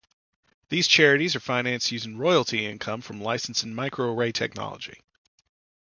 These charities are financed using royalty income from licensing microarray technology.